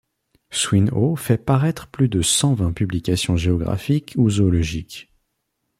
Swinhoe fait paraître plus de cent vingt publications géographiques ou zoologiques.